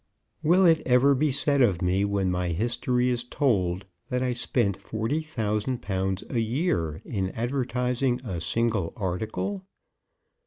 "Will it ever be said of me when my history is told that I spent forty thousand pounds a year in advertising a single article?